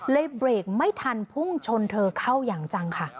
เบรกไม่ทันพุ่งชนเธอเข้าอย่างจังค่ะ